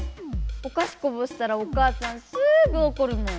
おかしこぼしたらお母さんすぐおこるもん。